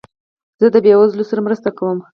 زه د بېوزلو سره مرسته کوم.